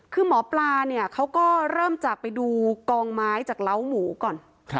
คือหมอปลาเนี่ยเขาก็เริ่มจากไปดูกองไม้จากเล้าหมูก่อน